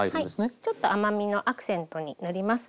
ちょっと甘みのアクセントになります。